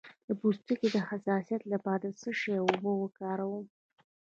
د پوستکي د حساسیت لپاره د څه شي اوبه وکاروم؟